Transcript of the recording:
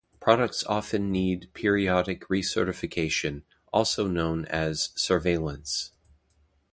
Products often need periodic recertification, also known as surveillance.